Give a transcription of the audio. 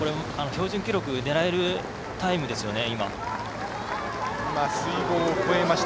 標準記録狙えるタイムですよね。